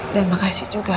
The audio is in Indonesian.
dan makasih juga